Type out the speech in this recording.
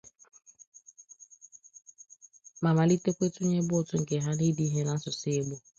ma malitekwa tụnyebe ụtụ nke ha n'ide ihe n'asụsụ Igbo